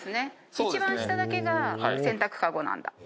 いちばん下だけが洗濯カゴなんだ。